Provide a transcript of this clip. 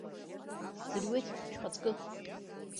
Сӡырҩуеит, шәхаҵкы!